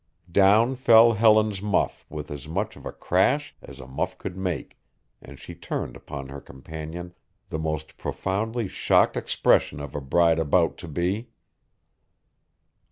Down fell Helen's muff with as much of a crash as a muff could make and she turned upon her companion the most profoundly shocked expression of a bride about to be.